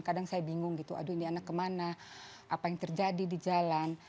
kadang saya bingung gitu aduh ini anak kemana apa yang terjadi di jalan